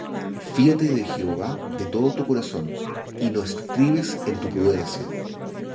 Fíate de Jehová de todo tu corazón, Y no estribes en tu prudencia.